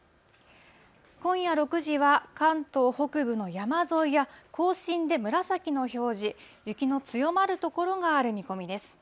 今夜６時は、関東北部の山沿いや甲信で紫の表示、雪の強まる所がある見込みです。